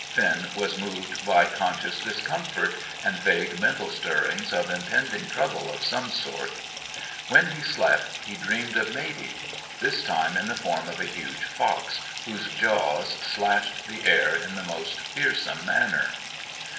Finn was moved by conscious discomfort, and vague mental stirrings of impending trouble of some sort. When he slept, he dreamed of Matey; this time in the form of a huge fox, whose jaws slashed the air in the most fearsome manner.